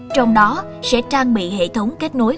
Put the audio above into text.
trong đó sẽ trang bị hệ thống kết nối